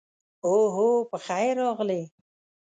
اوهو، پخیر راغلې.